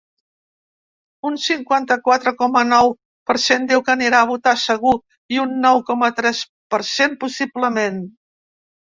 Un cinquanta-quatre coma nou per cent diu que anirà a votar segur i un nou coma tres per cent, possiblement.